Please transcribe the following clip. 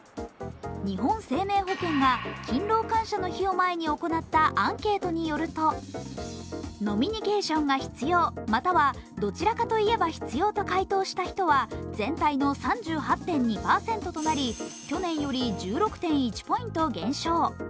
日本生命保険が勤労感謝の日を前に行ったアンケートによると飲みニケーションが必要、またはどちらかといえば必要と回答した人は全体の３８．２％となり、去年より１６．１ポイント減少。